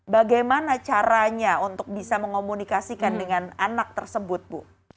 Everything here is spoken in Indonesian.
bagaimana caranya untuk bisa mengkomunikasikan dengan anak tersebut bu